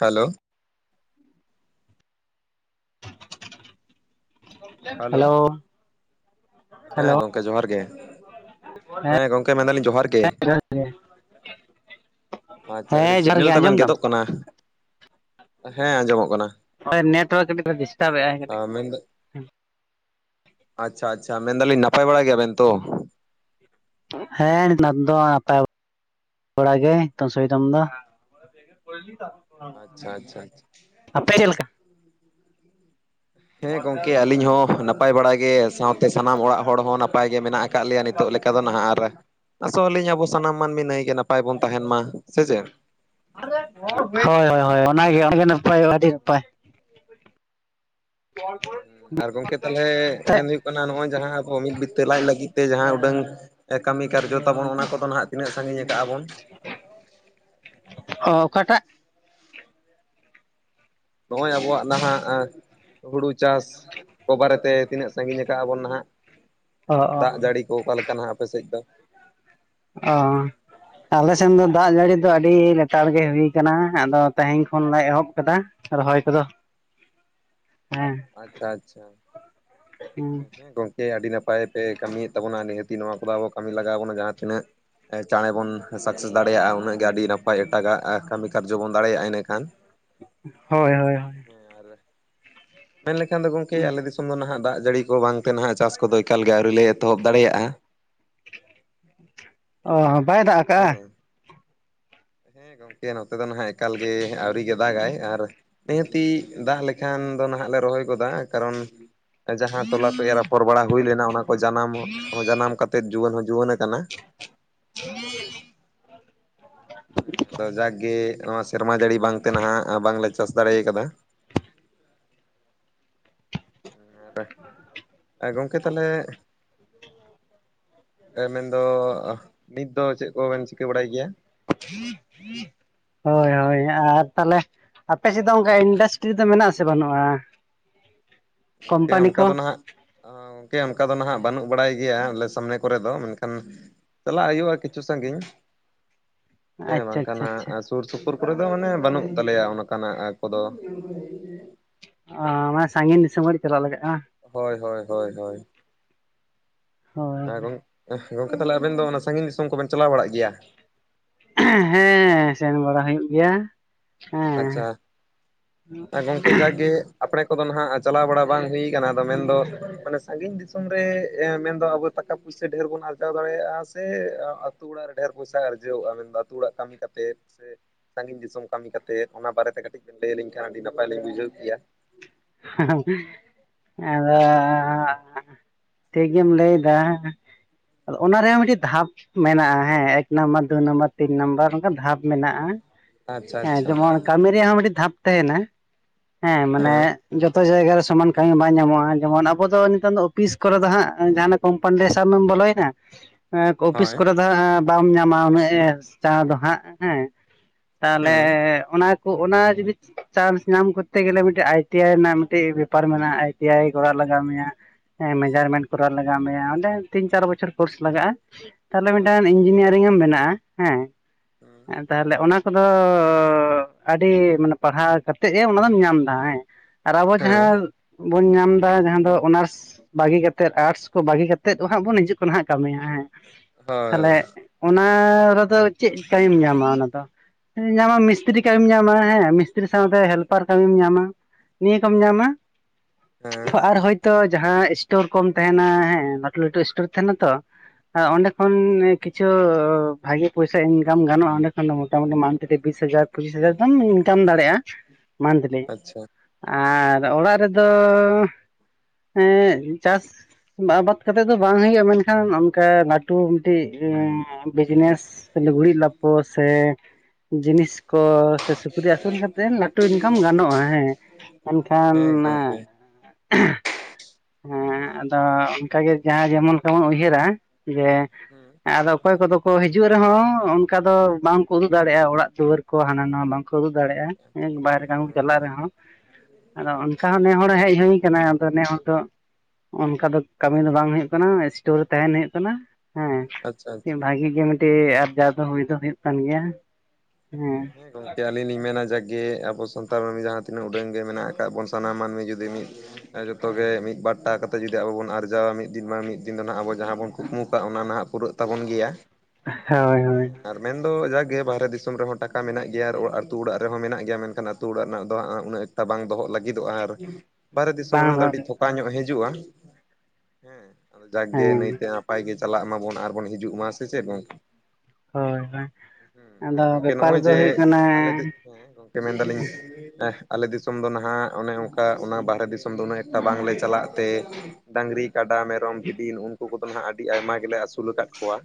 Hello. Hello. ᱦᱮᱸ hello ᱜᱚᱢᱠᱮ ᱡᱚᱦᱟᱨ ᱜᱮ᱾ ᱦᱮᱸ ᱜᱚᱢᱠᱮ ᱢᱮᱱᱫᱟᱞᱤᱧ ᱡᱚᱦᱟᱨ ᱜᱮ᱾ ᱦᱮᱸ ᱡᱚᱦᱟᱨ ᱜᱮ ᱟᱪᱪᱷᱟ ᱠᱟᱹᱴᱤᱡ ᱦᱮᱸ ᱡᱚᱦᱟᱨ ᱥᱤᱜᱽᱱᱮᱞ ᱜᱮ ᱟᱸᱡᱚᱢ ᱛᱟᱵᱮᱱ ᱫᱟᱢ ᱜᱮᱫᱚᱜ ᱠᱟᱱᱟ᱾ ᱦᱮᱸ ᱟᱸᱡᱚᱢᱚᱜ ᱠᱟᱱᱟ᱾ ᱦᱳᱭ ᱱᱮᱴᱚᱣᱟᱠ ᱠᱟᱴᱤᱪ ᱞᱮ ᱰᱤᱥᱴᱟᱵ ᱮᱼᱟᱭ ᱠᱟᱴᱤᱪ᱾ ᱢᱮᱱᱫᱟ ᱟᱪᱪᱷᱟ ᱟᱪᱪᱷᱟ ᱢᱮᱱᱫᱟᱞᱤᱧ ᱱᱟᱯᱟᱭ ᱵᱟᱲᱟ ᱜᱮᱭᱟ ᱵᱮᱱ ᱛᱚ? ᱦᱮᱸ ᱱᱮᱛᱟᱫ ᱫᱚ ᱟᱯᱟᱭ ᱵᱟᱲᱟ ᱜᱮ ᱱᱤᱛᱚᱝ ᱥᱳᱭᱫᱚᱢ ᱫᱚ᱾ ᱟᱪᱪᱷᱟ ᱟᱪᱪᱷᱟ ᱟᱪᱪᱷᱟ [inaudible] ᱟᱯᱮ ᱪᱮᱞᱠᱟ? ᱦᱮᱸ ᱜᱚᱝᱠᱮ ᱟᱹᱞᱤᱧ ᱦᱚᱸ ᱱᱟᱯᱟᱭ ᱵᱟᱲᱟ ᱜᱮ ᱥᱟᱶᱛᱮ ᱥᱟᱱᱟᱢ ᱚᱲᱟᱜ ᱦᱚᱲ ᱦᱚᱸ ᱱᱟᱯᱟᱭ ᱜᱮ ᱢᱮᱱᱟᱜ ᱟᱠᱟᱜ ᱞᱮᱭᱟ ᱱᱤᱛᱚᱜ ᱞᱮᱠᱟ ᱫᱚ᱾ ᱱᱟᱦᱟ ᱟᱨ ᱟᱥᱚᱞ ᱤᱧ ᱟᱵᱚ ᱥᱟᱱᱟᱢ ᱢᱟᱹᱱᱢᱤ ᱱᱟᱹᱭ ᱜᱮ ᱱᱟᱯᱟᱭ ᱵᱚᱱ ᱛᱟᱦᱮᱱ ᱢᱟ, ᱥᱮ ᱪᱮ? [inaudible] ᱦᱳᱭ ᱦᱳᱭ ᱦᱳᱭ ᱚᱱᱟᱜᱮ ᱟᱹᱰᱤᱜᱮ ᱱᱟᱯᱟᱭ ᱟᱹᱰᱤ ᱱᱟᱯᱟᱭ᱾ [inaudible] ᱦᱮᱸ ᱜᱚᱢᱠᱮ ᱛᱟᱦᱚᱞᱮ ᱢᱮᱱ ᱦᱩᱭᱩᱜ ᱠᱟᱱᱟ ᱱᱚᱜᱼᱚᱭ ᱡᱟᱦᱟᱸ ᱟᱵᱚ ᱢᱤᱫ ᱵᱤᱛᱟᱹ ᱞᱟᱡ ᱞᱟᱹᱜᱤᱫ ᱛᱮ ᱡᱟᱦᱟᱸ ᱩᱰᱟᱹᱝ ᱠᱟᱹᱢᱤ ᱠᱟᱨᱡᱚ ᱛᱟᱵᱚᱱ ᱚᱱᱟ ᱠᱚ ᱚᱱᱟ ᱦᱟᱜ ᱛᱤᱱᱟᱹᱜ ᱥᱟᱺᱜᱤᱧ ᱮ ᱫᱟᱜ ᱟᱵᱚᱱ? ᱚ ᱚᱠᱟᱴᱟᱜ? ᱱᱚᱜᱼᱚᱭ ᱟᱵᱚᱣᱟᱜ ᱱᱟᱦᱟᱜ ᱮᱸ ᱦᱩᱲᱩ ᱪᱟᱥ ᱠᱚ ᱵᱟᱨᱮ ᱛᱮ ᱛᱤᱱᱟᱹᱜ ᱥᱟᱺᱜᱤᱧ ᱟᱠᱟᱜᱼᱟ ᱵᱚᱱ ᱱᱟᱦᱟᱜ, ᱚ ᱚ ᱫᱟᱜ ᱡᱟᱹᱲᱤ ᱠᱚ ᱚᱠᱟᱞᱮᱠᱟ ᱱᱟᱦᱟᱜ ᱟᱯᱮ ᱥᱮᱡ ᱫᱚ? ᱚᱸ᱾ ᱟᱞᱮ ᱥᱮᱱ ᱫᱚ ᱫᱟᱜ ᱡᱟᱹᱲᱤ ᱫᱚ ᱟᱹᱰᱤ ᱞᱮᱛᱟᱲ ᱜᱮ ᱦᱩᱭ ᱠᱟᱱᱟ ᱟᱫᱚ ᱛᱮᱸᱦᱮᱸᱧ ᱠᱷᱚᱱ ᱞᱮ ᱮᱦᱚᱵ ᱠᱟᱫᱟ᱾ ᱨᱚᱦᱚᱭ ᱠᱚᱫᱚ ᱦᱮᱸ ᱟᱪᱪᱷᱟ ᱟᱪᱪᱷᱟ, ᱦᱮᱸ ᱜᱚᱝ ᱜᱮ ᱟᱹᱰᱤ ᱱᱟᱯᱟᱭ ᱯᱮ ᱠᱟᱹᱢᱤᱭᱮᱫ ᱛᱟᱵᱚᱱᱟ ᱱᱤᱦᱟᱹᱛᱤ ᱱᱚᱣᱟ ᱠᱚᱫᱚ ᱟᱵᱚ ᱠᱟᱹᱢᱤ ᱞᱟᱜᱟᱣ ᱵᱚᱱᱟ ᱡᱟᱦᱟᱸ ᱛᱤᱱᱟᱹᱜ ᱪᱟᱬᱮ ᱵᱚᱱ ᱥᱟᱠᱥᱮᱥ ᱫᱟᱲᱮᱭᱟᱜᱼᱟ ᱩᱱᱟᱹᱜ ᱜᱮ ᱟᱹᱰᱤ ᱱᱟᱯᱟᱭ ᱮᱴᱟᱜᱟᱜ ᱠᱟᱹᱢᱤ ᱠᱟᱨᱡᱚ ᱵᱚᱱ ᱫᱟᱲᱮᱭᱟᱜᱼᱟ ᱤᱱᱟᱹᱠᱷᱟᱱ᱾ ᱦᱳᱭ ᱦᱳᱭ ᱦᱳᱭ᱾ ᱢᱮᱱᱞᱠᱷᱟᱱ ᱫᱚ ᱜᱚᱢᱠᱮ ᱟᱞᱮ ᱫᱤᱥᱚᱢ ᱫᱚ ᱱᱟᱦᱟᱜ ᱫᱟᱜ ᱡᱟᱹᱲᱤ ᱠᱚ ᱵᱟᱝᱛᱮ ᱱᱟᱦᱟᱜ ᱪᱟᱥ ᱠᱚᱫᱚ ᱮᱠᱟᱞ ᱜᱮ ᱟᱹᱣᱨᱤ ᱞᱮ ᱮᱛᱚᱦᱚᱵ ᱫᱟᱲᱮᱭᱟᱜᱼᱟ᱾ ᱚᱼᱦᱚ ᱵᱟᱭ ᱫᱟᱜ ᱟᱠᱟᱜᱼᱟ? ᱦᱮᱸ ᱦᱮᱸ ᱜᱚᱝᱠᱮ ᱱᱚᱛᱮ ᱫᱚ ᱱᱟᱦᱟᱜ ᱮᱠᱟᱞ ᱜᱮ ᱟᱹᱣᱨᱤ ᱜᱮ ᱫᱟᱜᱟᱭ ᱟᱨ ᱱᱤᱦᱟᱹᱛᱤ ᱫᱟᱜ ᱞᱮᱠᱷᱟᱱ ᱫᱚ ᱱᱟᱦᱟᱜ ᱞᱮ ᱨᱚᱦᱚᱭ ᱜᱚᱫᱟ᱾ ᱠᱟᱨᱚᱱ ᱡᱟᱦᱟᱸ ᱴᱚᱞᱟ ᱠᱚ ᱮᱨ ᱟᱯᱷᱚᱨ ᱵᱟᱲᱟ ᱦᱩᱭ ᱞᱮᱱᱟ ᱚᱱᱟ ᱠᱚ ᱡᱟᱱᱟᱢ ᱡᱟᱱᱟᱢ ᱠᱟᱛᱮᱜ ᱡᱩᱣᱟᱹᱱ ᱦᱚᱸ ᱡᱩᱣᱟᱹᱱ ᱟᱠᱟᱱᱟ᱾ [inaudible] ᱟ ᱡᱟᱠ ᱜᱮ ᱱᱚᱶᱟ ᱥᱮᱨᱢᱟ ᱡᱟᱹᱲᱤ ᱵᱟᱝ ᱛᱮ ᱱᱟᱦᱟᱜ ᱵᱟᱝᱞᱮ ᱪᱟᱥ ᱫᱟᱲᱮ ᱠᱟᱫᱟ᱾ [inaudible] ᱜᱚᱝᱠᱮ ᱛᱟᱦᱚᱞᱮ ᱮ ᱢᱮᱱ ᱫᱚ ᱱᱤᱛ ᱫᱚ ᱪᱮᱫ ᱠᱚᱵᱮᱱ ᱪᱤᱠᱟᱹ ᱵᱟᱲᱟᱭ ᱜᱮᱭᱟ? ᱦᱳᱭ ᱦᱳᱭ ᱟᱨ ᱛᱟᱦᱚᱞᱮ ᱟᱯᱮ ᱥᱮᱫ ᱫᱚ ᱚᱱᱠᱟ ᱤᱱᱰᱟᱥᱴᱨᱤ ᱫᱚ ᱢᱮᱱᱟᱜ ᱟᱥᱮ ᱵᱟᱹᱱᱩᱜᱼᱟ ᱜᱚᱝᱠᱮ ᱠᱳᱢᱯᱟᱱᱤ ᱚᱱᱠᱟ ᱠᱚ ᱫᱚ ᱱᱟᱦᱟᱜ ᱚᱻ ᱠᱮ ᱚᱱᱠᱟ ᱫᱚ ᱱᱟᱦᱟᱸᱜ ᱵᱟᱹᱱᱩᱜ ᱵᱟᱲᱟᱭ ᱜᱮᱭᱟ ᱟᱞᱮ ᱥᱟᱢᱱᱮ ᱠᱚᱨᱮ ᱫᱚ, ᱢᱮᱱᱠᱷᱟᱱ ᱪᱟᱞᱟᱜ ᱦᱩᱭᱩᱜᱼᱟ ᱠᱤᱪᱷᱩ ᱥᱟᱺᱜᱤᱧ, ᱦᱮᱸ ᱟᱪᱪᱷᱟ ᱵᱟᱝᱠᱷᱟᱱ ᱟᱪᱪᱷᱟ ᱦᱟᱸᱜ ᱟᱪᱪᱷᱟ ᱟᱥ ᱥᱩᱨᱼᱥᱩᱯᱩᱨ ᱠᱚᱨᱮ ᱫᱚ ᱢᱟᱱᱮ ᱵᱟᱹᱱᱩᱜ ᱛᱟᱞᱮᱭᱟ ᱚᱱᱠᱟᱱᱟᱜ ᱠᱚᱫᱚ᱾ ᱚᱸ ᱢᱟᱱᱮ ᱥᱟᱺᱜᱤᱧ ᱫᱤᱥᱚᱢ ᱦᱟᱨᱤᱡ ᱪᱟᱞᱟᱜ ᱞᱟᱜᱟᱜᱼᱟ? ᱦᱳᱭ ᱦᱳᱭ ᱦᱳᱭ ᱦᱳᱭ, ᱦᱳᱭ ᱮ ᱜᱚᱝ ᱜᱚᱝᱠᱮ ᱛᱟᱦᱚᱞᱮ ᱟᱵᱮᱱ ᱫᱚ ᱚᱱᱟ ᱥᱟᱺᱜᱤᱧ ᱫᱤᱥᱚᱢ ᱠᱚ ᱵᱮᱱ ᱪᱞᱟᱣ ᱵᱟᱲᱟᱜ ᱜᱮᱭᱟ? ᱦᱮᱸ ᱥᱮᱱ ᱵᱟᱲᱟ ᱦᱩᱭᱩᱜ ᱜᱮᱭᱟ᱾ ᱟᱪᱷᱟ ᱦᱮᱸ ᱜᱚᱢᱠᱮ ᱡᱟᱜ ᱜᱮ ᱟᱯᱲᱮ ᱠᱚᱫᱚ ᱱᱟᱦᱟᱜ ᱪᱟᱞᱟᱣ ᱵᱟᱲᱟ ᱵᱟᱝ ᱦᱩᱭ ᱠᱟᱱᱟ ᱟᱫᱚ ᱢᱮᱱᱫᱚ ᱢᱟᱱᱮ ᱥᱟᱺᱜᱤᱧ ᱫᱤᱥᱚᱢ ᱨᱮ ᱮ ᱢᱮᱱᱫᱚ ᱟᱵᱚ ᱴᱟᱠᱟ ᱯᱩ ᱥᱮ ᱰᱷᱮᱨ ᱵᱚᱱ ᱟᱨᱡᱟᱣ ᱫᱟᱲᱮᱭᱟᱜᱼᱟ ᱥᱮ ᱟ-ᱟᱛᱩ ᱚᱲᱟᱜ ᱨᱮ ᱰᱷᱮᱨ ᱯᱚᱭᱥᱟ ᱟᱨᱡᱟᱣᱼᱟ ᱢᱮᱱᱫᱟ ᱟᱹᱛᱩ ᱚᱲᱟᱜ ᱠᱟᱹᱢᱤ ᱠᱟᱛᱮ ᱥᱮ ᱥᱟᱺᱜᱤᱧ ᱫᱤᱥᱚᱢ ᱠᱟᱹᱢᱤ ᱠᱟᱛᱮ ᱛᱮ ᱚᱱᱟ ᱵᱟᱨᱮ ᱛᱮ ᱠᱟᱹᱴᱤᱡ ᱵᱤᱱ ᱞᱟᱹᱭ ᱞᱤᱧ ᱠᱷᱟᱱ ᱟᱹᱰᱤ ᱱᱟᱯᱟᱭ ᱞᱤᱧ ᱵᱩᱡᱷᱟᱹᱣ ᱠᱮᱭᱟ᱾ ᱟᱫᱚ ᱴᱷᱤᱠ ᱜᱮᱢ ᱞᱟᱹᱭ ᱫᱟ ᱚᱱᱟ ᱨᱮᱭᱟᱜ ᱢᱤᱫ ᱴᱤᱡ ᱫᱷᱟᱯ ᱢᱮᱱᱟᱜᱼᱟ ᱦᱮᱸ ᱮᱠ ᱱᱟᱢᱵᱟᱨ ᱫᱩ ᱱᱟᱢᱵᱟᱨ ᱛᱤᱱ ᱱᱟᱢᱵᱟᱨ ᱚᱱᱠᱟ ᱫᱷᱟᱯ ᱢᱮᱱᱟᱜᱼᱟ᱾ ᱟᱪᱪᱷᱟ ᱦᱮᱸ ᱟᱪᱪᱷᱟ ᱡᱮᱢᱚᱱ ᱠᱟᱹᱢᱤ ᱨᱮᱭᱟᱜ ᱦᱚᱸ ᱢᱤᱫᱴᱤᱡ ᱫᱷᱟᱯ ᱛᱟᱸᱦᱮᱱᱟ ᱦᱮᱸ ᱢᱟᱱᱮ ᱡᱚᱛᱚ ᱡᱟᱭᱜᱟ ᱨᱮ ᱥᱚᱢᱟᱱ ᱠᱟᱹᱢᱤ ᱵᱟᱝ ᱧᱟᱢᱚᱜᱼᱟ ᱡᱮᱢᱚᱱ ᱟᱵᱚ ᱫᱚ ᱱᱤᱛᱚᱝ ᱫᱚ ᱚᱯᱷᱤᱥ ᱠᱚᱨᱮ ᱫᱚ ᱦᱟᱸᱜ ᱡᱟᱸᱦᱟᱱᱟᱜ ᱠᱚᱢᱯᱟᱱᱰᱮ ᱥᱚᱵ ᱮᱢ ᱵᱚᱞᱚᱭ ᱱᱟ [unintelligible] ᱚᱯᱷᱤᱥ ᱦᱳᱭ ᱠᱚᱨᱮ ᱫᱚ ᱦᱟᱸᱜ ᱵᱟᱢ ᱧᱟᱢᱟ ᱩᱱᱟᱹᱜ ᱮ ᱪᱟ ᱫᱚ ᱦᱟᱸᱜ ᱦᱮᱸ ᱛᱟᱦᱚᱞᱮ ᱦᱮᱸ ᱚᱱᱟ ᱠᱚ ᱚᱱᱟ ᱡᱩᱫᱤ ᱪᱟᱱᱥ ᱧᱟᱢ ᱠᱚᱨᱛᱮ ᱜᱮᱞᱮ ᱟᱭ ᱴᱤ ᱟᱭ ᱨᱮᱱᱟᱜ ᱢᱤᱫᱴᱤᱡ ᱵᱮᱯᱟᱨ ᱢᱮᱱᱟᱜᱼᱟ ᱟᱭ ᱴᱤ ᱟᱭ ᱠᱚᱨᱟᱣ ᱞᱟᱜᱟᱣ ᱢᱮᱭᱟ ᱢᱮᱡᱟᱨᱢᱮᱱᱴ ᱠᱚᱨᱟᱣ ᱞᱟᱜᱟᱣ ᱢᱮᱭᱟ ᱚᱸᱰᱮ ᱛᱤᱱ ᱪᱟᱨ ᱵᱚᱪᱷᱚᱨ ᱠᱳᱨᱥ ᱞᱟᱜᱟᱜᱼᱟ ᱛᱟᱦᱚᱞᱮ ᱦᱮᱸ ᱢᱤᱫᱴᱟᱝ ᱤᱧᱡᱤᱱᱤᱭᱟᱨᱤᱝ ᱮᱢ ᱵᱮᱱᱟᱜᱼᱟ ᱦᱮᱸ ᱛᱟᱦᱚᱞᱮ ᱚᱱᱟ ᱠᱚᱫᱚ ᱟᱹᱰᱤ ᱢᱟᱱᱮ ᱯᱟᱲᱦᱟᱣ ᱠᱟᱛᱮᱜ ᱮ ᱚᱱᱟ ᱫᱚᱢ ᱧᱟᱢ ᱫᱟ ᱦᱮᱸ ᱟᱨ ᱟᱵᱚ ᱦᱮᱸ ᱡᱟᱦᱟᱸ ᱵᱚᱱ ᱧᱟᱢ ᱫᱟ ᱡᱟᱦᱟᱸ ᱫᱚ ᱚᱱᱟᱨᱥ ᱵᱟᱹᱜᱤ ᱠᱟᱛᱮᱫ ᱟᱨᱴᱥ ᱠᱚ ᱵᱟᱹᱜᱤ ᱠᱟᱛᱮᱫ ᱦᱟᱸᱜ ᱵᱚᱱ ᱦᱤᱡᱩᱜ ᱠᱟᱱᱟ ᱦᱟᱸᱜ ᱠᱟᱹᱢᱤᱭᱟ ᱦᱮᱸ ᱦᱳᱭ ᱛᱟᱦᱚᱞᱮ ᱚᱱᱟ ᱨᱮᱫᱚ ᱪᱮᱫ ᱠᱟᱹᱢᱤᱢ ᱧᱟᱢᱟ ᱚᱱᱟ ᱫᱚ? ᱧᱟᱢᱟᱢ ᱢᱤᱥᱛᱨᱤ ᱠᱟᱹᱢᱤ ᱧᱟᱢᱟ ᱦᱮᱸ ᱢᱤᱥᱛᱨᱤ ᱥᱟᱶᱛᱮ ᱦᱮᱞᱯᱟᱨ ᱠᱟᱹᱢᱤ ᱧᱟᱢᱟ᱾ ᱱᱤᱭᱟᱹ ᱠᱚᱢ ᱧᱟᱢᱟ ᱦᱮᱸ ᱟᱨ ᱦᱚᱭᱛᱚ ᱡᱟᱦᱟᱸ ᱤᱥᱴᱳᱨ ᱠᱚᱢ ᱛᱟᱸᱦᱮᱱᱟ ᱦᱮᱸ ᱞᱟᱹᱴᱩ ᱞᱟᱹᱴᱩ ᱤᱥᱴᱳᱨ ᱛᱟᱸᱦᱮᱱᱟ ᱛᱚ᱾ ᱚᱸᱰᱮ ᱠᱷᱚᱱ ᱠᱤᱪᱷᱩ ᱵᱷᱟᱜᱤ ᱯᱚᱭᱥᱟ ᱤᱱᱠᱟᱢ ᱜᱟᱱᱚᱜᱼᱟ ᱚᱸᱰᱮ ᱠᱷᱚᱱ ᱫᱚ ᱢᱚᱴᱟ ᱢᱩᱴᱤ ᱢᱟᱱᱛᱷᱞᱤ ᱵᱤᱥ ᱦᱟᱡᱟᱨ ᱯᱚᱸᱪᱤᱥ ᱦᱟᱡᱟᱨ ᱫᱚᱢ ᱤᱱᱠᱟᱢ ᱫᱟᱲᱮᱜᱼᱟ ᱢᱟᱱᱛᱷᱞᱤ᱾ ᱟᱪᱪᱷᱟ ᱟᱨ ᱚᱲᱟᱜ ᱨᱮᱫᱚ ᱮᱸᱜ ᱪᱟᱥ ᱟᱵᱟᱫ ᱠᱟᱛᱮ ᱫᱚ ᱵᱟᱝ ᱦᱩᱭᱩᱜᱼᱟ ᱢᱮᱱ ᱠᱷᱟᱱ ᱚᱱᱠᱟ ᱞᱟᱹᱴᱩ ᱢᱤᱫ ᱴᱤᱡ ᱵᱤᱡᱽᱱᱮᱥ ᱥᱮ ᱞᱩᱜᱽᱲᱤᱡ ᱞᱟᱯᱚ ᱥᱮ ᱡᱤᱱᱤᱥ ᱠᱚ ᱥᱮ ᱥᱩᱠᱨᱤ ᱟᱹᱥᱩᱞ ᱠᱟᱛᱮ ᱞᱟᱹᱴᱩ ᱤᱱᱠᱟᱢ ᱜᱟᱱᱚᱜᱼᱟ ᱦᱮᱸ ᱮᱱ ᱠᱷᱟᱱ ᱦᱮᱸ ᱜᱚᱝᱠᱮ [inaudible] ᱦᱮᱸ ᱟᱫᱚ ᱚᱱᱠᱟ ᱜᱮ ᱡᱟᱦᱟᱸ ᱡᱮᱢᱚᱱ ᱛᱮᱵᱚᱱ ᱩᱭᱦᱟᱹᱨᱟ ᱡᱮ ᱦᱮᱸ ᱟᱫᱚ ᱚᱠᱚᱭ ᱠᱚᱫᱚ ᱠᱚ ᱦᱤᱡᱩᱜ ᱨᱮᱦᱚᱸ ᱠᱚ ᱚᱱᱠᱟ ᱫᱚ ᱵᱟᱝ ᱠᱚ ᱩᱫᱩᱜ ᱫᱟᱲᱮᱭᱟᱜᱼᱟ ᱚᱲᱟᱜ ᱫᱩᱣᱟᱹᱨ ᱠᱚ ᱦᱟᱱᱟ ᱱᱟᱣᱟ ᱵᱟᱝ ᱩᱫᱩᱜ ᱫᱟᱲᱮᱜᱼᱟ ᱮᱠ ᱟᱪᱪᱷᱟ ᱵᱟᱦᱮᱨᱮ ᱟᱪᱪᱷᱟ ᱠᱟᱹᱢᱤ ᱦᱮᱸ ᱪᱟᱞᱟᱜ ᱦᱮᱸ ᱨᱮᱦᱚᱸ᱾ ᱟᱫᱚ ᱚᱱᱠᱟ ᱦᱚᱸ ᱱᱮᱦᱚᱲ ᱦᱮᱡ ᱦᱩᱭ ᱠᱟᱱᱟ ᱟᱫᱚ ᱱᱮᱦᱚᱲ ᱫᱚ ᱚᱱᱠᱟ ᱫᱚ ᱠᱟᱹᱢᱤ ᱫᱚ ᱵᱟᱝ ᱦᱩᱭᱩᱜ ᱠᱟᱱᱟ ᱤᱥᱴᱳᱨ ᱛᱟᱸᱦᱮᱱ ᱦᱩᱭᱩᱜ ᱠᱟᱱᱟ ᱟᱪᱪᱷᱟ ᱦᱮᱸ ᱟᱪᱪᱷᱟ ᱵᱷᱟᱜᱤ ᱜᱮ ᱟᱨᱡᱟᱣ ᱫᱚ ᱦᱩᱭ ᱫᱚ ᱦᱩᱭᱩᱜ ᱠᱟᱱ ᱜᱮᱭᱟ ᱦᱮᱸ ᱦᱮᱸ ᱜᱚᱝᱠᱮ ᱟᱹᱞᱤᱧ ᱞᱤᱧ ᱢᱮᱱᱟ ᱡᱟᱠ ᱜᱮ ᱟᱵᱚ ᱥᱟᱱᱛᱟᱲ ᱢᱟᱹᱱᱢᱤ ᱡᱟᱦᱟᱸ ᱛᱤᱱᱟᱹᱜ ᱩᱰᱟᱹᱝ ᱜᱮ ᱢᱮᱱᱟᱜ ᱟᱠᱟ ᱵᱚᱱ ᱥᱟᱱᱟᱢ ᱢᱟᱹᱱᱢᱤ ᱡᱩᱫᱤ ᱢᱤᱫ ᱡᱚᱛᱚ ᱜᱮ ᱢᱤᱫ ᱵᱟᱨ ᱴᱟᱠᱟ ᱠᱟᱛᱮ ᱡᱩᱫᱤ ᱟᱵᱚ ᱵᱚᱱ ᱟᱨᱡᱟᱣᱟ ᱢᱤᱫ ᱫᱤᱱ ᱵᱟᱝ ᱢᱤᱫ ᱫᱤᱱ ᱫᱚ ᱦᱟᱸᱜ ᱟᱵᱚ ᱡᱟᱦᱟᱸ ᱵᱚᱱ ᱠᱩᱠᱢᱩ ᱠᱟᱜ ᱚᱱᱟ ᱱᱟᱦᱟᱜ ᱯᱩᱨᱟᱹᱜ ᱛᱟᱵᱚᱱ ᱜᱮᱭᱟ ᱦᱳᱭ ᱦᱳᱭ ᱦᱮᱸ ᱟᱨ ᱢᱮᱱ ᱫᱚ ᱡᱟᱠ ᱜᱮ ᱵᱟᱦᱮᱨᱮ ᱫᱤᱥᱚᱢ ᱨᱮᱦᱚᱸ ᱴᱟᱠᱟ ᱢᱮᱱᱟᱜ ᱜᱮᱭᱟ ᱟᱹᱛᱩ ᱚᱲᱟᱜ ᱨᱮᱦᱚᱸ ᱢᱮᱱᱟᱜ ᱜᱮᱭᱟ ᱢᱮᱱ ᱠᱷᱟᱱ ᱟᱹᱛᱩ ᱚᱲᱟᱜ ᱨᱮᱱᱟᱜ ᱫᱚ ᱦᱟᱸᱜ ᱩᱱᱟᱹᱜ ᱮᱠᱴᱟ ᱵᱟᱝ ᱫᱚᱦᱚᱜ ᱞᱟᱹᱜᱤᱫ ᱟᱨ ᱵᱟᱨᱦᱮ ᱫᱤᱥᱚᱢ ᱵᱟᱝ ᱨᱮᱱᱟᱜ ᱫᱚ ᱟᱹᱰᱤ ᱛᱷᱚᱠᱟ ᱨᱮᱦᱚᱸ ᱧᱚᱜ ᱦᱤᱡᱩᱜᱼᱟ᱾ ᱦᱮᱸ ᱟᱫᱚ ᱡᱟᱸᱠ ᱜᱮ ᱦᱮᱸ ᱱᱟᱹᱭᱛᱮ ᱱᱟᱯᱟᱭ ᱜᱮ ᱪᱟᱞᱟᱜ ᱢᱟᱵᱚᱱ ᱟᱨ ᱵᱚᱱ ᱦᱤᱡᱩᱜ ᱢᱟ ᱥᱮ ᱪᱮᱫ ᱜᱚᱝᱠᱮ ᱦᱳᱭ ᱦᱳᱭ ᱦᱮᱸ ᱟᱨ ᱟᱫᱚ ᱜᱚᱝᱠᱮ ᱵᱮᱯᱟᱨ ᱱᱚᱜᱼᱚᱭ ᱫᱚ ᱡᱮ ᱦᱩᱭᱩᱜ ᱠᱟᱱᱟ ᱟᱞᱮ ᱫᱤ ᱦᱮᱸ ᱜᱚᱝᱠᱮ ᱢᱮᱱ ᱫᱟᱞᱤᱧ ᱟᱞᱮ ᱫᱤᱥᱚᱢ ᱫᱚ ᱱᱟᱦᱟᱜ ᱚᱱᱮ ᱚᱱᱠᱟ ᱚᱱᱟ ᱵᱟᱦᱮᱨᱮ ᱫᱤᱥᱚᱢ ᱫᱚ ᱩᱱᱟᱹᱜ ᱮᱠᱴᱟ ᱵᱟᱝ ᱞᱮ ᱪᱟᱞᱟᱜ ᱛᱮ ᱰᱟᱝᱨᱤ ᱠᱟᱰᱟ ᱢᱮᱨᱚᱢ ᱵᱷᱤᱰᱤ ᱱᱩᱜᱼᱱᱩᱠᱩ ᱠᱚᱫᱚ ᱦᱟᱸᱜ ᱟᱹᱰᱤ ᱟᱭᱢᱟ ᱜᱮᱞᱮ ᱟᱹᱥᱩᱞ ᱠᱟᱜ ᱠᱚᱣᱟ᱾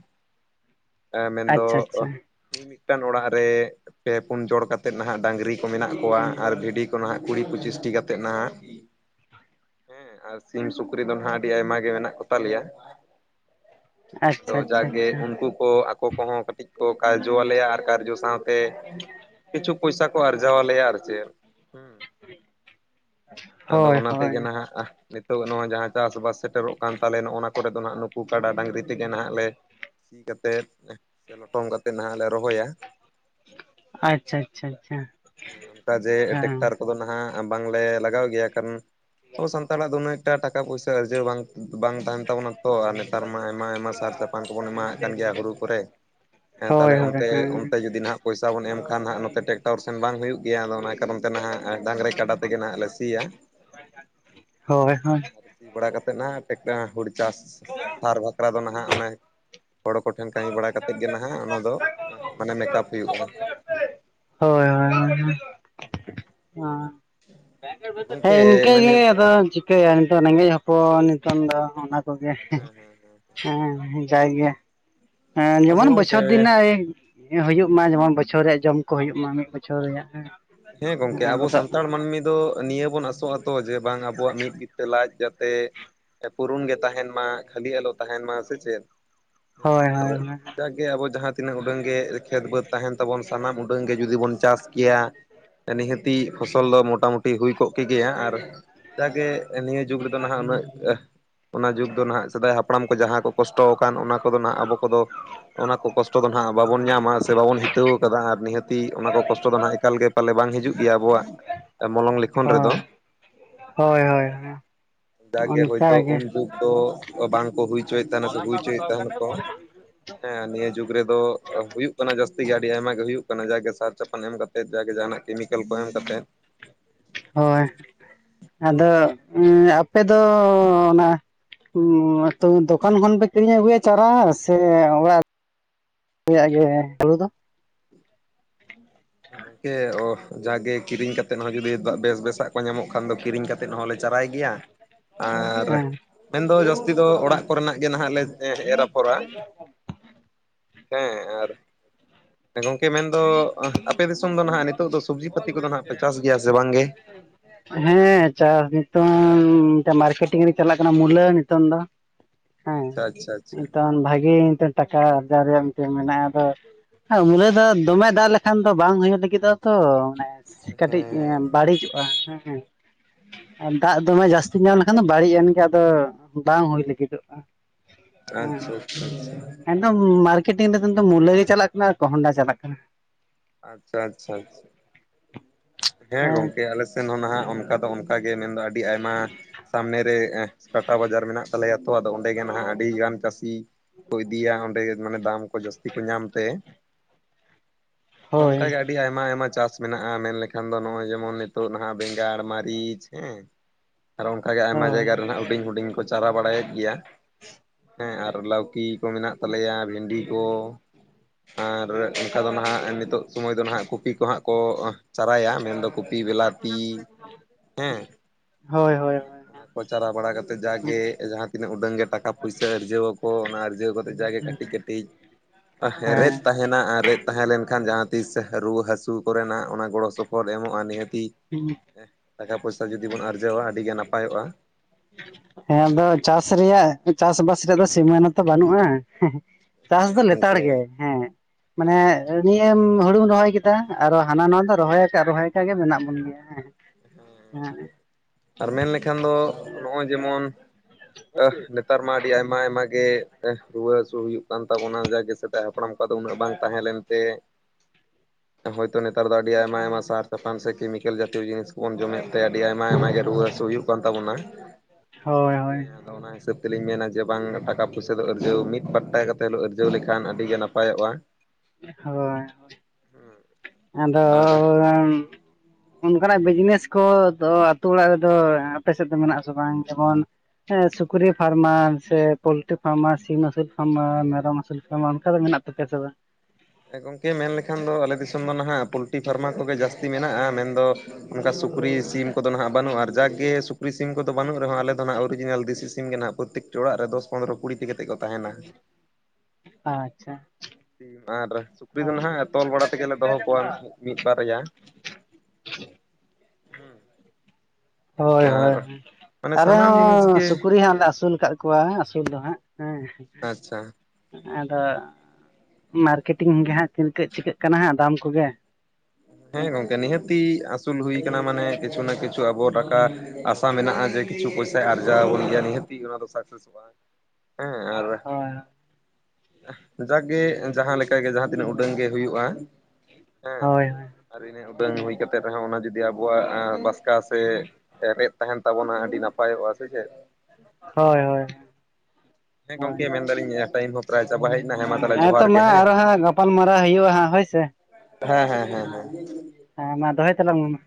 ᱢᱮᱱ ᱫᱚ ᱟᱪᱪᱷᱟ ᱟᱪᱪᱷᱟ ᱢᱤᱼᱢᱤᱫᱴᱟᱝ ᱚᱲᱟᱜ ᱨᱮ ᱯᱮ ᱯᱩᱱ ᱡᱚᱲ ᱠᱟᱛᱮᱫ ᱱᱟᱦᱟᱜ ᱰᱟᱝᱨᱤ ᱠᱚ ᱢᱮᱱᱟᱜ ᱠᱚᱣᱟ ᱟᱨ ᱵᱷᱤᱰᱤ ᱠᱚ ᱱᱟᱦᱟᱜ ᱠᱩᱲᱤ ᱯᱚᱸᱪᱤᱥᱴᱤ ᱠᱟᱛᱮᱫ ᱱᱟᱦᱟᱜ [inaudible] ᱦᱮᱸ ᱟᱨ ᱥᱤᱢ ᱥᱩᱠᱨᱤ ᱫᱚ ᱱᱟᱸᱜ ᱟᱹᱰᱤ ᱟᱭᱢᱟ ᱜᱮ ᱢᱮᱱᱟᱜ ᱠᱚ ᱛᱟᱞᱮᱭᱟ ᱟᱫᱚ ᱟᱪᱪᱷᱟ ᱟᱪᱪᱷᱟ ᱡᱟᱜᱮ ᱟᱪᱪᱷᱟ ᱩᱱᱠᱩ ᱠᱚ ᱟᱠᱚ ᱠᱚᱦᱚᱸ ᱠᱟᱹᱴᱤᱡ ᱠᱚ ᱠᱟᱨᱡᱚᱣᱟᱞᱮᱭᱟ ᱟᱨ ᱠᱟᱨᱡᱚ ᱥᱟᱶᱛᱮ ᱠᱤᱪᱷᱩ ᱯᱩᱭᱥᱟ ᱠᱚ ᱟᱨᱡᱟᱣᱟᱞᱮᱭᱟ ᱟᱨ ᱪᱮᱫ ᱦᱩᱸ ᱟᱫᱚ ᱦᱳᱭ ᱚᱱᱟ ᱦᱳᱭ ᱛᱮᱜᱮ ᱱᱟᱦᱟᱜ ᱛᱚᱜ ᱱᱚᱣᱟ ᱡᱟᱦᱟᱸ ᱪᱟᱥᱵᱟᱥ ᱥᱮᱴᱮᱨᱚᱜ ᱠᱟᱱ ᱛᱟᱞᱮ ᱱᱚᱣᱟ ᱱᱚᱜ ᱠᱚᱨᱮ ᱫᱚ ᱱᱟᱸᱜ ᱱᱩᱠᱩ ᱠᱟᱰᱟ ᱰᱟᱝᱨᱤ ᱛᱮᱜᱮ ᱱᱟᱦᱟᱜ ᱞᱮ ᱥᱤ ᱠᱟᱛᱮᱫ ᱞᱚᱴᱚᱢ ᱠᱟᱛᱮᱫ ᱱᱟᱦᱟᱜ ᱞᱮ ᱨᱚᱦᱚᱭᱟ᱾ ᱟᱪᱪᱷᱟ ᱟᱪᱪᱷᱟ ᱟᱪᱪᱷᱟ ᱟᱪᱪᱷᱟ᱾ ᱦᱮᱸ ᱚᱱᱠᱟ ᱡᱮ ᱴᱮᱠᱴᱟᱨ ᱠᱚᱫᱚ ᱱᱟᱦᱟᱜ ᱵᱟᱝᱞᱮ ᱞᱟᱜᱟᱣ ᱜᱮᱭᱟ ᱠᱟᱨᱚᱱ ᱟᱵᱚ ᱥᱟᱱᱛᱟᱲᱟᱜ ᱫᱚ ᱩᱱᱟᱹᱜ ᱮᱠᱴᱟ ᱴᱟᱠᱟ ᱯᱩᱭᱥᱟᱹ ᱟᱨᱡᱟᱹᱣ ᱵᱟᱝ ᱵᱟᱝ ᱛᱟᱦᱮᱱ ᱛᱟᱵᱚᱱᱟ ᱛᱚ ᱟᱨ ᱱᱮᱛᱟᱨ ᱢᱟ ᱟᱭᱢᱟ ᱟᱭᱢᱟ ᱥᱟᱨ ᱥᱟᱯᱟᱝ ᱠᱚᱵᱚᱱ ᱮᱢᱟᱜ ᱠᱟᱱ ᱜᱮᱭᱟ ᱦᱩᱲᱩ ᱠᱚᱨᱮ᱾ ᱦᱮᱸ ᱦᱳᱭ ᱛᱟᱦᱞᱮ ᱦᱳᱭ ᱚᱱᱛᱮ ᱚᱱᱛᱮ ᱦᱮᱸ ᱡᱩᱫᱤ ᱱᱟᱸᱜ ᱯᱚᱭᱥᱟ ᱵᱚᱱ ᱮᱢ ᱠᱷᱟᱱ ᱦᱟᱸᱜ ᱱᱚᱛᱮ [inaudible] ᱚᱨ ᱥᱮᱱ ᱵᱟᱝ ᱦᱩᱭᱩᱜ ᱜᱮᱭᱟ ᱟᱫᱚ ᱚᱱᱟ ᱠᱟᱨᱚᱱ ᱛᱮ ᱱᱟᱦᱟᱜ ᱰᱟᱝᱨᱤ ᱠᱟᱰᱟ ᱛᱮᱜᱮ ᱱᱟᱦᱟᱜ ᱞᱮ ᱥᱤᱭᱟ ᱦᱳᱭ ᱦᱳᱭ ᱟᱨ ᱵᱟᱲᱟ ᱠᱟᱛᱮᱫ ᱱᱟᱸᱜ [unintelligible] ᱦᱩᱲᱩ ᱪᱟᱥ ᱥᱟᱨ ᱵᱟᱠᱷᱨᱟ ᱫᱚ ᱱᱟᱦᱟᱜ ᱚᱱᱮ᱾ ᱦᱚᱲ ᱠᱚᱴᱷᱮᱱ ᱠᱟᱹᱢᱤ ᱵᱟᱲᱟ ᱠᱟᱛᱮᱜ ᱜᱮ ᱱᱟᱦᱟᱜ ᱚᱱᱟ ᱫᱚ ᱢᱟᱱᱮ ᱢᱮᱠᱟᱯ ᱦᱩᱭᱩᱜᱼᱟ ᱦᱳᱭ ᱦᱳᱭ᱾ [unintelligible] ᱜᱚᱝᱠᱮ ᱦᱮᱸ ᱤᱱᱠᱟᱹ ᱢᱮᱱ ᱜᱮ ᱦᱮᱸ ᱟᱫᱚ ᱪᱤᱠᱟᱹᱭᱟ ᱱᱤᱛᱚᱜ ᱨᱮᱸᱜᱮᱡ ᱦᱚᱯᱚᱱ ᱱᱤᱛᱚᱝ ᱫᱚ ᱚᱱᱟ ᱠᱚᱜᱮ ᱦᱮᱸ ᱦᱮᱸ ᱦᱮᱸ ᱡᱟᱭ ᱜᱮᱸ ᱟᱪᱪᱷᱟ ᱡᱮᱢᱚᱱ ᱜᱚᱝᱠᱮ ᱵᱚᱪᱷᱚᱨ ᱫᱤᱱ [inaudible] ᱦᱩᱭᱩᱜ ᱢᱟ ᱡᱮᱢᱚᱱ ᱵᱚᱪᱷᱚᱨ ᱨᱮᱭᱟᱜ ᱡᱚᱢ ᱠᱚ ᱦᱩᱭᱩᱜ ᱢᱟ ᱢᱤᱫ ᱵᱚᱪᱷᱚᱨ ᱨᱮᱭᱟᱜ ᱦᱮᱸ ᱦᱮᱸ ᱜᱚᱝᱠᱮ ᱟᱵᱚ ᱥᱟᱱᱛᱟᱲ ᱢᱟᱹᱱᱢᱤ ᱫᱚ ᱱᱤᱭᱟᱹ ᱵᱚᱱ ᱟᱥᱚᱜ ᱟᱛᱚ ᱡᱮ ᱵᱟᱝ ᱟᱵᱚᱣᱟᱜ ᱢᱤᱫ ᱠᱤᱛᱟᱹ ᱞᱟᱡ ᱡᱟᱛᱮ ᱯᱩᱨᱩᱱ ᱜᱮ ᱛᱟᱦᱮᱱ ᱢᱟ ᱠᱷᱟᱹᱞᱤ ᱟᱞᱚ ᱛᱟᱦᱮᱱ ᱢᱟ ᱥᱮ ᱪᱮᱫ ᱦᱮᱸ ᱦᱳᱭ ᱟᱨ ᱦᱳᱭ ᱡᱟ ᱟᱵᱚ ᱡᱟᱦᱟᱸ ᱛᱤᱱᱟᱹᱜ ᱩᱰᱟᱹᱝ ᱜᱮ ᱠᱷᱮᱛ ᱵᱟᱹᱫᱽ ᱛᱟᱦᱮᱱ ᱛᱟᱵᱚᱱ ᱥᱟᱱᱟᱢ ᱩᱰᱟᱹᱝ ᱜᱮ ᱡᱩᱫᱤ ᱵᱚᱱ ᱪᱟᱥ ᱠᱮᱭᱟ ᱱᱤᱦᱟᱹᱛᱤ ᱯᱷᱚᱥᱚᱞ ᱫᱚ ᱢᱳᱴᱟᱢᱩᱴᱤ ᱦᱩᱭ ᱠᱚᱜ ᱠᱮᱜ ᱜᱮᱭᱟ ᱟᱨ ᱡᱟᱜᱮ ᱱᱤᱭᱟᱹ ᱡᱩᱜᱽ ᱨᱮᱫᱚ ᱱᱟᱦᱟᱜ ᱩᱱᱟᱹᱜ ᱚᱱᱟ ᱡᱩᱜᱽ ᱫᱚ ᱱᱟᱦ ᱥᱮᱫᱟᱭ ᱦᱟᱯᱲᱟᱢ ᱠᱚ ᱡᱟᱦᱟᱸ ᱠᱚ ᱠᱚᱥᱴᱚ ᱠᱟᱱ ᱚᱱᱟ ᱠᱚᱫᱚ ᱱᱟᱸᱜ ᱟᱵᱚ ᱠᱚᱫᱚ ᱚᱱᱟ ᱠᱚ ᱠᱚᱥᱴᱚ ᱫᱚ ᱱᱟᱦᱟᱜ ᱵᱟᱵᱚᱱ ᱧᱟᱢᱟ ᱥᱮ ᱵᱟᱵᱚᱱ ᱦᱤᱛᱟᱹᱣ ᱠᱟᱫᱟ ᱟᱨ ᱱᱤᱦᱟᱹᱛ ᱛᱤ ᱚᱱᱟ ᱠᱚ ᱠᱚᱥᱴᱚ ᱫᱚ ᱱᱟᱸᱜ ᱮᱠᱟᱞᱜ ᱯᱟᱞᱮ ᱵᱟᱝ ᱦᱤᱡᱩᱜ ᱜᱮᱭᱟ ᱟᱵᱚᱣᱟᱜ ᱢᱚᱞᱚᱝ ᱞᱤᱠᱷᱚᱱ ᱨᱮᱫᱚ᱾ ᱦᱳᱭ ᱦᱳᱭ ᱦᱳᱭ᱾ ᱦᱮᱸ ᱡᱟᱜᱮ ᱚᱱᱠᱟ ᱦᱚᱭᱛᱳ ᱜᱮ ᱩᱱ ᱡᱩᱜᱽ ᱫᱚ ᱵᱟᱝ ᱠᱚ ᱦᱩᱭᱪᱚᱭᱮᱫ ᱛᱟᱦᱮᱱᱟ ᱥᱮ ᱦᱩᱭ ᱦᱚᱪᱚᱭᱮᱫ ᱛᱟᱦᱮᱱᱟᱠᱚ ᱦᱮᱸ ᱱᱤᱭᱟᱹ ᱡᱩᱜᱽ ᱨᱮᱫᱚ ᱦᱩᱭᱩᱜ ᱠᱟᱱᱟ ᱡᱟᱹᱥᱛᱤ ᱜᱮ ᱟᱹᱰᱤ ᱟᱭᱢᱟ ᱜᱮ ᱦᱩᱭᱩᱜ ᱠᱟᱱᱟ ᱡᱟᱜᱮ ᱥᱟᱨ ᱪᱟᱯᱟᱱ ᱮᱢ ᱠᱟᱛᱮᱜ ᱡᱟᱜᱮ ᱡᱟᱦᱟᱱᱟᱜ ᱠᱮᱢᱤᱠᱟᱹᱞ ᱠᱚ ᱮᱢ ᱠᱟᱛᱮᱫ ᱦᱳᱭ ᱟᱫᱚ ᱟᱯᱮ ᱫᱚ ᱚᱱᱟ ᱛᱚ ᱫᱚᱠᱟᱱ ᱠᱷᱚᱱ ᱯᱮ ᱠᱤᱨᱤᱧ ᱟᱹᱜᱩᱭᱟ ᱪᱟᱨᱟ ᱥᱮ ᱚᱲᱟᱜ ᱤᱭᱟᱹ [inaudible] ᱫᱚ ᱱᱚᱝᱠᱮ ᱡᱟᱜᱮ ᱠᱤᱨᱤᱧ ᱠᱟᱛᱮᱜ ᱦᱚᱸ ᱡᱩᱫᱤ [inaudible] ᱵᱮᱥ ᱵᱮᱥᱟᱜ ᱠᱚ ᱧᱟᱢᱚᱜ ᱠᱷᱟᱱ ᱫᱚ ᱠᱤᱨᱤᱧ ᱠᱟᱛᱮᱫ ᱦᱚᱸᱞᱮ ᱪᱟᱨᱟᱭ ᱜᱮᱭᱟ ᱟᱨ ᱦᱮᱸ ᱢᱮᱱᱫᱚ ᱡᱟᱹᱥᱛᱤ ᱫᱚ ᱚᱲᱟᱜ ᱠᱚᱨᱮᱱᱟᱜ ᱜᱮ ᱱᱟᱦᱟᱜ ᱞᱮ ᱮᱨᱟ ᱯᱷᱚᱨᱟ᱾ ᱦᱮᱸ ᱟᱨ ᱜᱚᱝᱠᱮ ᱢᱮᱱᱫᱚ ᱟᱯᱮ ᱫᱤᱥᱚᱢ ᱫᱚ ᱱᱟᱦᱟᱜ ᱱᱤᱛ ᱱᱤᱛᱚᱜ ᱫᱚ ᱥᱚᱵᱽᱡᱤ ᱯᱟᱹᱛᱤ ᱠᱚᱫᱚ ᱦᱟᱸᱜ ᱯᱮ ᱪᱟᱥ ᱜᱮᱭᱟ ᱥᱮ ᱵᱟᱝᱜᱮ? ᱦᱮᱸ ᱪᱟᱥ ᱱᱤᱛᱚᱝ ᱢᱟᱨᱠᱮᱴᱤᱝ ᱨᱮ ᱪᱟᱞᱟᱜ ᱠᱟᱱᱟ ᱢᱩᱞᱟᱹ ᱱᱤᱛᱚᱝ ᱫᱚ [inaudible] ᱦᱮᱸ ᱟᱪᱪᱷᱟ ᱟᱪᱪᱷᱟ ᱤᱛᱚᱱ ᱵᱷᱟᱜᱤ [unintelligible] ᱴᱟᱠᱟ ᱟᱨᱡᱟᱣ ᱨᱮᱭᱟᱜ ᱢᱤᱫᱴᱤᱝ ᱢᱮᱱᱟᱜᱼᱟ ᱟᱫᱚ ᱢᱩᱞᱟᱹ ᱫᱟᱜ ᱫᱚᱢᱮ ᱫᱟᱜ ᱞᱮᱠᱷᱟᱱ ᱫᱚ ᱵᱟᱝ ᱦᱩᱭᱩᱜ ᱞᱟᱹᱜᱤᱫ ᱫᱚ ᱛᱚ ᱢᱟᱱᱮ ᱠᱟᱹᱴᱤᱡ ᱦᱮᱸ ᱵᱟᱹᱲᱤᱡᱚᱜᱼᱟ ᱦᱮᱸ᱾ ᱫᱟᱜ ᱫᱚᱢᱮ ᱡᱟᱹᱥᱛᱤ ᱧᱟᱢ ᱞᱮᱠᱷᱟᱱ ᱫᱚ ᱵᱟᱹᱲᱤᱡ ᱮᱱ ᱜᱮ ᱟᱫᱚ ᱵᱟᱝ ᱦᱩᱭ ᱞᱟᱹᱜᱤᱫᱚᱜᱼᱟ ᱟᱪᱪᱷᱟ ᱦᱮᱸ ᱟᱪᱪᱷᱟ ᱟᱪᱪᱷᱟ᱾ ᱢᱟᱨᱠᱮᱴᱤᱝ ᱨᱮᱫᱚ ᱢᱩᱞᱟᱹ ᱜᱮ ᱪᱟᱞᱟᱜ ᱠᱟᱱᱟ ᱟᱨ ᱠᱚᱦᱚᱰᱟ ᱪᱟᱞᱟᱜ ᱠᱟᱱᱟ᱾ ᱟᱪᱪᱷᱟ ᱟᱪᱪᱷᱟ ᱟᱪᱪᱷᱟ ᱦᱮᱸ ᱜᱚᱝᱠᱮ ᱟᱞᱮ ᱥᱮᱱ ᱦᱚᱸ ᱱᱟᱦᱟᱜ ᱚᱱᱠᱟ ᱫᱚ ᱚᱱᱠᱟ ᱜᱮ ᱢᱮᱱᱫᱚ ᱟᱹᱰᱤ ᱟᱭᱢᱟ ᱥᱟᱢᱱᱮ ᱨᱮ ᱴᱟᱴᱟ ᱵᱟᱡᱟᱨ ᱢᱮᱱᱟᱜ ᱛᱟᱞᱮᱭᱟ ᱛᱚ ᱟᱫᱚ ᱚᱸᱰᱮ ᱜᱮ ᱱᱟᱦᱟᱜ ᱟᱹᱰᱤᱜᱟᱱ ᱪᱟᱹᱥᱤ ᱠᱚ ᱤᱫᱤᱭᱟ ᱚᱸᱰᱮ ᱢᱟᱱᱮ ᱫᱟᱢ ᱠᱚ ᱡᱟᱹᱥᱛᱤ ᱠᱚ ᱧᱟᱢ ᱛᱮ ᱦᱳᱭ ᱚᱱᱠᱟᱜᱮ ᱟᱹᱰᱤ ᱟᱭᱢᱟ ᱟᱭᱢᱟ ᱪᱟᱥ ᱢᱮᱱᱟᱜᱼᱟ ᱢᱮᱱᱞᱮ ᱮᱱᱠᱷᱟᱱ ᱫᱚ ᱱᱚᱜᱼᱚᱭ ᱡᱮᱢᱚᱱ ᱱᱤᱛᱚᱜ ᱱᱟᱦᱟᱜ ᱵᱮᱸᱜᱟᱲ ᱢᱟᱨᱟᱹᱨᱤᱪ ᱦᱮᱸ ᱟᱨ ᱚᱱᱠᱟ ᱜᱮ ᱟᱭᱢᱟ ᱦᱳᱭ ᱡᱟᱭᱜᱟ ᱨᱮᱱᱟᱜ ᱦᱩᱰᱤᱧ ᱦᱩᱰᱤᱧ ᱠᱚ ᱪᱟᱨᱟ ᱵᱟᱲᱟᱭᱮᱫ ᱜᱮᱭᱟ ᱦᱮ [inaudible] ᱦᱮᱸ ᱟᱨ ᱞᱟᱹᱣᱠᱤ ᱠᱚ ᱢᱮᱱᱟᱜ ᱛᱟᱞᱮᱭᱟ ᱵᱷᱮᱱᱰᱤ ᱠᱚ ᱟᱨ ᱟᱫᱚ ᱱᱟᱦᱟᱜ ᱱᱤᱛᱚᱜ ᱥᱚᱢᱚᱭ ᱫᱚ ᱱᱟᱦᱟᱜ ᱠᱚᱯᱤ ᱠᱚᱦᱟᱸᱜ ᱠᱚ ᱪᱟᱨᱟᱭᱟ ᱢᱮᱱᱫᱚ ᱠᱩᱯᱤ ᱵᱤᱞᱟᱛᱤ ᱦᱮᱸ ᱦᱳᱭ ᱦᱳᱭ ᱚᱱᱟ ᱠᱚ ᱪᱟᱞᱟᱣ ᱵᱟᱲᱟ ᱠᱟᱛᱮᱮᱫ ᱪᱟᱨᱟ ᱵᱟᱲᱟ ᱠᱟᱛᱮ ᱡᱟᱜᱮ ᱡᱟᱦᱟᱸ ᱛᱤᱱᱟᱹᱜ ᱩᱰᱟᱹᱝ ᱜᱮ ᱴᱟᱠᱟ ᱯᱩᱭᱥᱟᱹ ᱟᱨᱡᱟᱹᱣ ᱟᱠᱚ ᱚᱱᱟ ᱟᱨᱡᱟᱹᱣ ᱠᱟᱛᱮ ᱡᱟᱜᱮ ᱠᱟᱹᱴᱤᱡ ᱠᱟᱹᱴᱤᱡ ᱦᱮᱨᱮᱫ ᱛᱟᱦᱮᱸ ᱦᱮᱱᱟᱜ ᱟ ᱨᱮᱫ ᱛᱟᱦᱮᱸ ᱞᱮᱱᱠᱷᱟᱱ ᱡᱟᱦᱟᱸ ᱛᱤᱥ ᱨᱩᱣᱟᱹ ᱦᱟᱹᱥᱩ ᱠᱚᱨᱮᱱᱟᱜ ᱚᱱᱟ ᱜᱚᱲᱚ ᱥᱚᱯᱚᱦᱚᱫ ᱮᱢᱚᱜᱼᱟ ᱱᱤᱦᱟᱹᱛᱤ ᱦᱩᱸ ᱴᱟᱠᱟ ᱯᱚᱭᱥᱟ ᱡᱩᱫᱤ ᱵᱚᱱ ᱟᱨᱡᱟᱣᱟ ᱟᱹᱰᱤ ᱜᱮ ᱱᱟᱯᱟᱭᱚᱜᱼᱟ᱾ ᱦᱮᱸ ᱟᱫᱚ ᱪᱟᱥ ᱨᱮᱭᱟᱜ ᱪᱟᱥᱵᱟᱥ ᱨᱮ ᱫᱚ ᱥᱤᱢᱟᱹ ᱢᱟᱛᱚ ᱵᱟᱹᱱᱩᱜᱼᱟ᱾ ᱪᱟᱥ ᱦᱮᱸ ᱫᱚ ᱞᱮᱛᱟᱲ ᱜᱚᱝᱠᱮ ᱜᱮ ᱦᱮᱸ ᱦᱮᱸ ᱢᱟᱱᱮ ᱟᱨ ᱱᱤᱭᱟᱹᱢ ᱦᱩᱲᱩᱢ ᱨᱚᱦᱚᱭ ᱠᱮᱫᱟ ᱟᱨᱚ ᱦᱟᱱᱟ ᱱᱚᱣᱟ ᱫᱚ ᱨᱚᱦᱚᱭ ᱟᱠᱟᱫ ᱨᱚᱦᱚᱭ ᱟᱠᱟ ᱜᱮ ᱢᱮᱱᱟᱜ ᱵᱚᱱ ᱜᱮᱭᱟ ᱦᱮᱸ ᱦᱮᱸ ᱦᱮ ᱟᱨ ᱢᱮᱱ ᱞᱮᱠᱷᱟᱱ ᱫᱚ ᱱᱚᱜᱼᱚᱭ ᱡᱮᱢᱚᱱ ᱱᱮᱛᱟᱨ ᱢᱟ ᱟᱹᱰᱤ ᱟᱭᱢᱟ ᱟᱭᱢᱟ ᱜᱮ ᱨᱩᱣᱟᱹ ᱦᱟᱹᱥᱩ ᱦᱩᱭᱩᱜ ᱠᱟᱱ ᱛᱟᱵᱚᱱᱟ ᱡᱟᱜᱮ ᱥᱮᱫᱟᱭ ᱦᱟᱯᱲᱟᱢ ᱠᱚᱣᱟᱜ ᱫᱚ ᱩᱱᱟᱹᱜ ᱵᱟᱝ ᱛᱟᱦᱮᱸ ᱞᱮᱱᱛᱮ ᱦᱳᱭᱛᱚ ᱱᱮᱛᱟᱨ ᱫᱚ ᱟᱹᱰᱤ ᱟᱭᱢᱟ ᱟᱭᱢᱟ ᱥᱟᱨᱯᱟᱱ ᱥᱮ ᱠᱮᱢᱤᱠᱮᱞ ᱡᱟᱛᱤᱭᱚ ᱡᱤᱱᱤᱥ ᱵᱚᱱ ᱡᱚᱢᱮᱫ ᱛᱮ ᱟᱹᱰᱤ ᱟᱭᱢᱟ ᱟᱭᱢᱟ ᱜᱮ ᱨᱩᱣᱟᱹ ᱦᱟᱹᱥᱩ ᱦᱩᱭᱩᱜ ᱠᱟᱱ ᱛᱟᱵᱚᱱᱟ ᱦᱳᱭ ᱦᱳᱭ ᱦᱮᱸ ᱟᱫᱚ ᱚᱱᱟ ᱦᱤᱥᱟᱹᱵ ᱛᱮ ᱛᱮᱞᱤᱧ ᱢᱮᱱᱟ ᱡᱮ ᱵᱟᱝ ᱴᱟᱠᱟ ᱯᱩᱭᱥᱟᱹ ᱫᱚ ᱟᱨᱡᱟᱹᱣ ᱢᱤᱫ ᱵᱟᱴ ᱴᱟᱠᱟ ᱠᱟᱛᱮᱫ ᱟᱨᱡᱟᱹᱣ ᱞᱮᱠᱷᱟᱱ ᱟᱹᱰᱤᱜᱮ ᱱᱟᱯᱟᱭᱚᱜᱼᱟ ᱦᱳᱭ [inaudible] ᱟᱫᱚ ᱟᱨ [inaudible] ᱚᱱᱠᱟᱱᱟᱜ ᱵᱤᱡᱽᱱᱮᱥ ᱠᱚ ᱫᱚ ᱟᱹᱛᱩ ᱚᱲᱟᱜ ᱨᱮᱫᱚ ᱟᱯᱮ ᱥᱮᱫ ᱫᱚ ᱢᱮᱱᱟᱜ ᱟᱥᱮ ᱵᱟᱝ ᱡᱮᱢᱚᱱ ᱦᱮᱸ ᱥᱩᱠᱨᱤ ᱯᱷᱟᱨᱢᱟ ᱥᱮ ᱯᱳᱚᱞᱴᱨᱤ ᱯᱷᱟᱨᱢᱟ ᱥᱤᱢ ᱟᱹᱥᱩᱞ ᱯᱷᱟᱨᱢᱟ ᱢᱮᱨᱚᱢ ᱟᱹᱥᱩᱞ ᱯᱷᱟᱨᱢᱟ ᱚᱱᱠᱟ ᱫᱚ ᱢᱮᱱᱟᱜ ᱮ ᱛᱚᱵᱮ [unintelligible] ᱦᱸ ᱜᱚᱢᱠᱮ ᱢᱮᱱ ᱞᱮᱠᱷᱟᱱ ᱫᱚ ᱟᱞᱮ ᱫᱤᱥᱚᱢ ᱫᱚ ᱱᱟᱦᱟᱜ ᱯᱳᱞᱴᱤ ᱯᱷᱟᱨᱢᱟ ᱠᱚᱜᱮ ᱡᱟᱹᱥᱛᱤ ᱢᱮᱱᱟᱜᱼᱟ ᱢᱮᱱᱫᱚ ᱚᱱᱠᱟ ᱥᱩᱠᱨᱤ ᱥᱤᱢ ᱠᱚᱫᱚ ᱦᱟᱸᱜ ᱵᱟᱹᱱᱩᱜᱼᱟ ᱟᱨ ᱡᱟᱜᱠᱮ ᱥᱩᱠᱨᱤ ᱥᱤᱢ ᱠᱚᱫᱚ ᱵᱟᱹᱱᱩᱜ ᱨᱮᱦᱚᱸ ᱟᱞᱮ ᱫᱚ ᱦᱟᱸᱜ ᱚᱨᱤᱡᱤᱱᱟᱞ ᱫᱮᱥᱤ ᱥᱤᱢ ᱜᱮ ᱱᱟᱦᱟᱸᱜ ᱯᱩᱛ ᱯᱨᱚᱛᱮᱠᱴᱤ ᱚᱲᱟᱜ ᱨᱮ ᱫᱚᱥ ᱯᱚᱸᱫᱽᱨᱚ ᱠᱩᱲᱤᱴᱤ ᱠᱟᱛᱮᱫ ᱠᱚ ᱛᱟᱦᱮᱸᱱᱟ ᱟᱻᱪᱪᱷᱟ ᱟᱨ ᱥᱩᱠᱨᱤ ᱫᱚ ᱱᱟᱦᱟᱜ ᱛᱚᱞ ᱵᱟᱲᱟ ᱛᱮᱜᱮᱞᱮ ᱫᱚᱦᱚ ᱠᱚᱣᱟ ᱢᱤᱫ ᱵᱟᱨᱭᱟ ᱦᱩᱸ ᱦᱳᱭ ᱦᱳᱭ ᱟᱞᱮᱦᱚ ᱡᱤᱱᱤᱥ ᱜᱮ ᱥᱩᱠᱨᱤ ᱦᱟᱸᱜ ᱞᱮ ᱟᱹᱥᱩᱞ ᱠᱟᱫ ᱠᱚᱣᱟ ᱟᱹᱥᱩᱞ ᱫᱚ ᱦᱟᱸᱜ ᱦᱮᱸ ᱟᱪᱪᱷᱟ ᱟᱫᱚ ᱢᱟᱨᱠᱮᱴᱤᱝ ᱜᱮ ᱦᱟᱸᱜ ᱤᱱᱠᱟᱹ ᱪᱤᱠᱟᱹᱜ ᱠᱟᱱᱟ ᱦᱟᱸᱜ ᱫᱟᱢ ᱠᱚᱜᱮ ᱦᱮᱸ ᱜᱚᱝᱠᱮ ᱱᱤᱦᱟᱹᱛᱤ ᱟᱹᱥᱩᱞ ᱦᱩᱭᱠᱟᱱᱟ ᱢᱟᱱᱮ ᱠᱤᱪᱷᱩ ᱱᱟ ᱠᱤᱪᱷᱩ ᱟᱵᱚ ᱴᱟᱠᱟ ᱟᱥᱟ ᱢᱮᱱᱟᱜᱼᱟ ᱡᱮ ᱠᱤᱪᱷᱩ ᱯᱚᱭᱥᱟᱭ ᱟᱨᱡᱟᱣ ᱟᱵᱚᱱ ᱜᱮᱭᱟ ᱱᱤᱦᱟᱹᱛᱤ ᱱᱚᱣᱟ ᱫᱚ ᱥᱟᱠᱥᱮᱥᱚᱜᱼᱟ ᱦᱮᱸ ᱟᱨ ᱦᱳᱭ ᱡᱟᱜᱮ ᱡᱟᱦᱟᱸᱞᱮᱠᱟ ᱜᱮ ᱡᱟᱦᱟᱸ ᱛᱤᱱᱟᱹᱜ ᱩᱰᱟᱹᱝ ᱜᱮ ᱦᱩᱭᱩᱜᱼᱟ ᱦᱮᱸ ᱦᱳᱭ ᱟᱨ ᱤᱱᱟᱹ ᱩᱰᱟᱹᱝ ᱦᱩᱭ ᱠᱟᱛᱮᱜ ᱨᱮᱦᱚᱸ ᱚᱱᱟ ᱡᱩᱫᱤ ᱟᱵᱚᱣᱟᱜ ᱵᱟᱥᱠᱟ ᱥᱮ ᱯᱡ [unintelligible] ᱛᱟᱦᱮᱸᱱ ᱛᱟᱵᱚᱱᱟ ᱟᱹᱰᱤ ᱱᱟᱯᱟᱭᱚᱜᱼᱟ ᱥᱮ ᱪᱮᱫ ᱦᱚᱭ ᱦᱚᱭ ᱦᱮᱸᱜᱚᱝᱠᱮ ᱢᱮᱱ ᱫᱟᱞᱤᱧ ᱴᱟᱭᱤᱢ ᱯᱨᱟᱭ ᱪᱟᱵᱟ ᱦᱮᱡᱱᱟ [inaudible] ᱦᱮᱸᱛᱚ ᱢᱟ ᱟᱨᱚ ᱦᱟᱸᱜ ᱜᱟᱯᱟᱞ ᱢᱟᱨᱟᱣ ᱦᱩᱭᱩᱜᱼᱟ ᱦᱟᱸᱜ ᱦᱳᱭ ᱥᱮ ᱦᱮᱸ ᱦᱮᱸ ᱦᱮᱸ ᱦᱮᱸ ᱦᱮᱸ ᱢᱟ ᱫᱚᱦᱚᱭ ᱛᱟᱞᱟᱝ ᱢᱮ ᱢᱟ